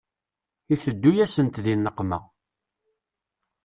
Iteddu-yasent di nneqma.